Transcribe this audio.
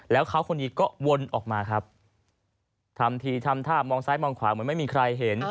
แล้วเขาคนนี้ก็วนออกมาครับทำทีทำท่ามองซ้ายมองขวาเหมือนไม่มีใครเห็น